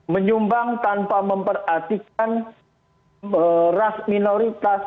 menyumbang tanpa memperhatikan ras minoritas